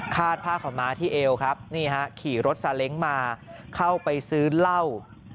ผ้าขาวม้าที่เอวครับนี่ฮะขี่รถซาเล้งมาเข้าไปซื้อเหล้า